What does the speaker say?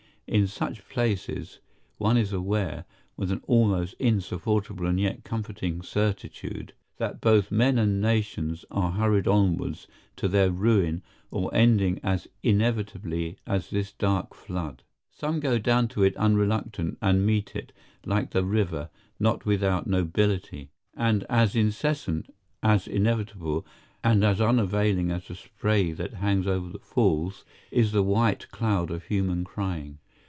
In such places, one is aware, with an almost insupportable and yet comforting certitude, that both men and nations are hurried onwards to their ruin or ending as inevitably as this dark flood. Some go down to it unreluctant, and meet it, like the river, not without nobility. And as incessant, as inevitable, and as unavailing as the spray that hangs over the Falls, is the white cloud of human crying....